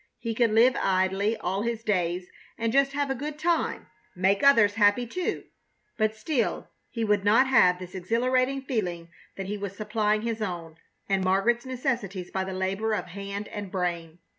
He could live idly all his days and just have a good time make others happy, too. But still he would not have this exhilarating feeling that he was supplying his own and Margaret's necessities by the labor of hand and brain.